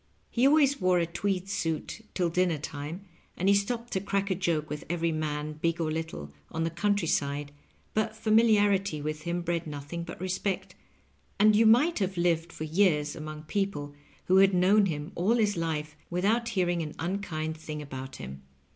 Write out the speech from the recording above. He always wore a tweed suit till dinner time, and he stopped to crack a joke with every man, big or little, on the country side, but familiarity with him bred nothing but respect, and you might have lived for years among people who had known him all his life, without hearing an unkind thing about him.